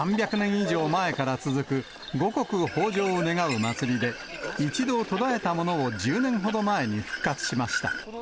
以上前から続く、五穀豊じょうを願う祭りで、一度途絶えたものを１０年ほど前に復活しました。